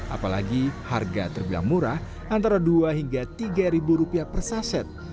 apalagi harga terbilang murah antara dua hingga tiga ribu rupiah per saset